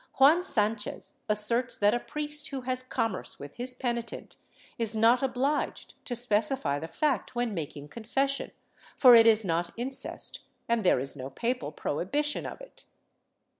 Juan Sanchez asserts that a priest who has commerce with his penitent is not obliged to specify the fact when making confession, for it is not incest and there is no papal prohibition of it.